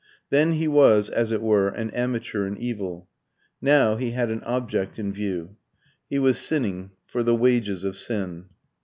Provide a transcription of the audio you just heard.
Then he was, as it were, an amateur in evil. Now he had an object in view he was sinning for the wages of sin.